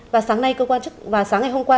và sáng ngày hôm qua